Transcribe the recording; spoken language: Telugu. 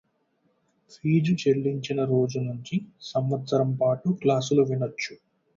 ఫీజు చెల్లించిన రోజు నుంచి సంవత్సరం పాటు క్లాసులు వినొచ్చు